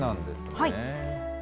はい。